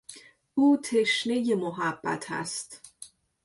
او تشنهی محبت است.